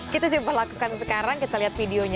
kita coba lakukan sekarang kita lihat videonya